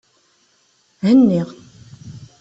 Henni.